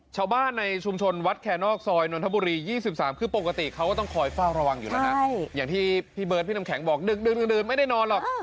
ชาวบ้านในชุมชนวัดแคนอกซอยนนทบุรี๒๓คือปกติเขาก็ต้องคอยเฝ้าระวังอยู่แล้วนะอย่างที่พี่เบิร์ดพี่น้ำแข็งบอกดึกดื่นไม่ได้นอนหรอก